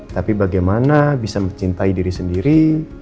tapi bagaimana bisa mencintai diri sendiri